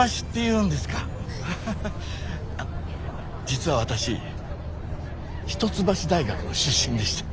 実は私一橋大学の出身でして。